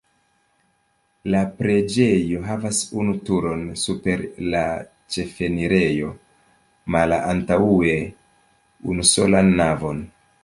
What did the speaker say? La preĝejo havas unu turon super la ĉefenirejo, malantaŭe unusolan navon.